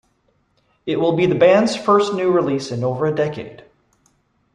It will be the band's first new release in over a decade.